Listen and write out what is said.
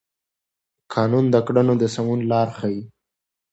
قانون د کړنو د سمون لار ښيي.